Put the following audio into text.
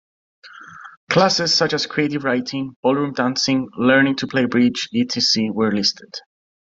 "Classes" such as creative writing, ballroom dancing, learning to play bridge, etc., were listed.